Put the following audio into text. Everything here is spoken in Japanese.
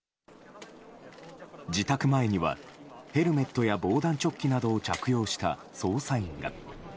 自宅前にはヘルメットや防弾チョッキなどを着用した捜査員が。